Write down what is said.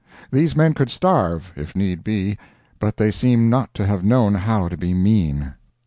These men could starve, if need be but they seem not to have known how to be mean.